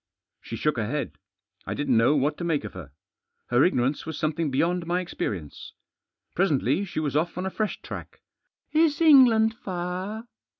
She shook her head. I didn't know what to make of her. Her ignorance was something beyond my experience. Presently she was off on a fresh tack. "Is England far?"